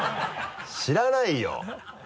知らないよ。